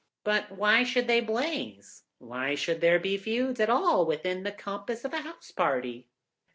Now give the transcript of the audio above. "But why should they blaze? Why should there be feuds at all within the compass of a house party?"